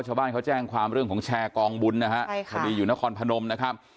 ชาวบ้านเขาแจ้งความเรื่องของแชร์กองบุญนะฮะใช่ค่ะพอดีอยู่นครพนมนะครับ